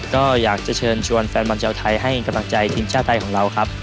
ก็อยากจะเชิญชวนแฟนบอลชาวไทยให้กำลังใจทีมชาติไทยของเราครับ